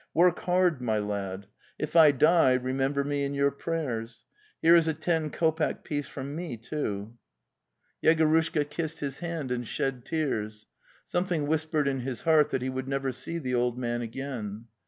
Work bard, my lad. If I die, remember me in your prayers. Here is a ten kopeck piece from.me, too... ." 302 The Tales of Chekhov Yegorushka kissed his hand, and shed tears; some thing whispered in his heart that he would never see the old man again.